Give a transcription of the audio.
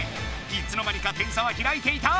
いつの間にか点差はひらいていた！